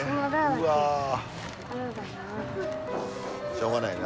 しょうがないな。